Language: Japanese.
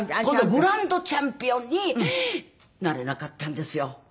今度グランドチャンピオンになれなかったんですよ。